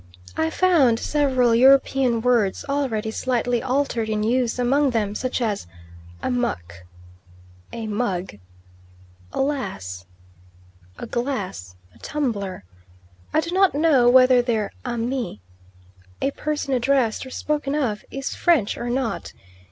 I found several European words already slightly altered in use among them, such as "Amuck" a mug, "Alas" a glass, a tumbler. I do not know whether their "Ami" a person addressed, or spoken of is French or not.